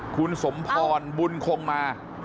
คุณสมพรบุญคงมา